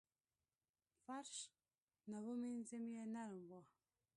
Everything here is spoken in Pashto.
فرش نه و مینځ یې نرم و.